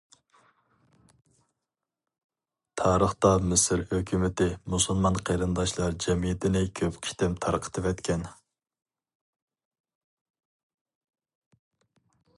تارىختا مىسىر ھۆكۈمىتى مۇسۇلمان قېرىنداشلار جەمئىيىتىنى كۆپ قېتىم تارقىتىۋەتكەن.